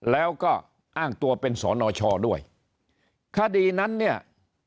แล้วก็อ้างตัวเป็นสนชด้วยคดีนั้นเนี่ย